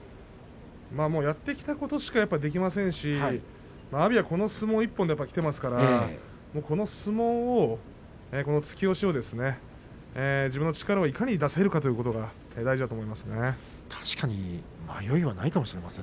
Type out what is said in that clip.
やってきたことしかできませんし阿炎はこの相撲一本できていますからこの突き押しを自分の力をいかに出せるかというところが大事だと思います。